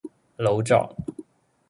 老作